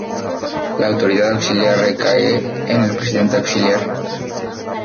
La autoridad auxiliar recae en el presidente auxiliar.